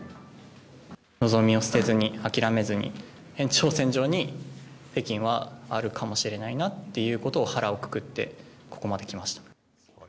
望みを捨てずに、あきらめずに、延長線上に北京はあるかもしれないなっていうことを腹をくくって、ここまで来ました。